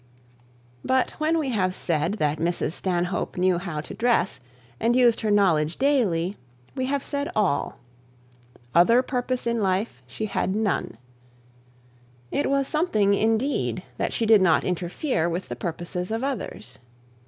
But when we have said that Mrs Stanhope knew how to dress, and used her knowledge daily, we have said all. Other purpose in life she had none. It was something, indeed, that she did not interfere with the purposes of others.